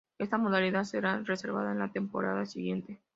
Esta modalidad será revertida en la temporada siguiente.